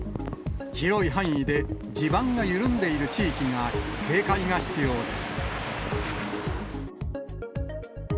広い範囲で地盤が緩んでいる地域があり、警戒が必要です。